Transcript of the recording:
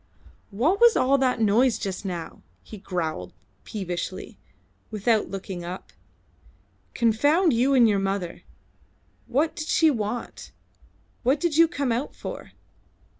"What was all that noise just now?" he growled peevishly, without looking up. "Confound you and your mother! What did she want? What did you come out for?"